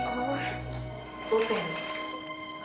kamu mau kertas